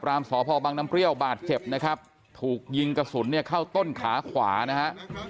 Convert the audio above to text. สพบังน้ำเปรี้ยวบาดเจ็บนะครับถูกยิงกระสุนเนี่ยเข้าต้นขาขวานะฮะ